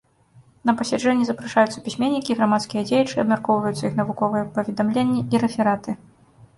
На пасяджэнні запрашаюцца пісьменнікі, грамадскія дзеячы, абмяркоўваюцца іх навуковыя паведамленні і рэфераты.